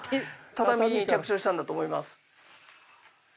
畳に着生したんだと思います。